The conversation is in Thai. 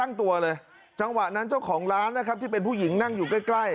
ตั้งตัวเลยจังหวะนั้นเจ้าของร้านนะครับที่เป็นผู้หญิงนั่งอยู่ใกล้ใกล้